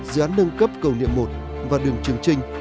dự án nâng cấp cầu niệm một và đường trường trinh